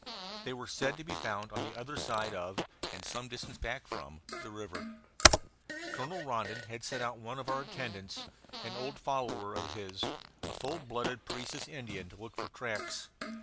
They were said to be found on the other side of, and some distance back from, the river. Colonel Rondon had sent out one of our attendants, an old follower of his, a full blood Parecis Indian, to look for tracks.